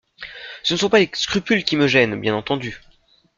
Ce ne sont pas les scrupules qui me gênent, bien entendu.